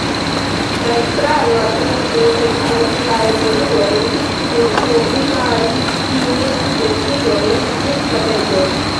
La Estraro atente sekvos la evoluon por povi fari tiujn decidojn ĝustatempe.